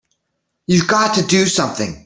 You've got to do something!